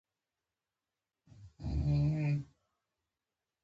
بد بد یې راته وکتل !